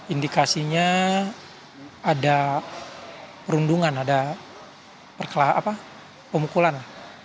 indikasinya ada perundungan ada pemukulan